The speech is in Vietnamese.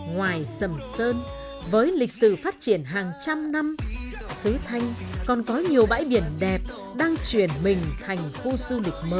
ngoài sầm sơn với lịch sử phát triển hàng trăm năm sứ thanh còn có nhiều bãi biển đẹp đang chuyển mình thành khu du lịch mới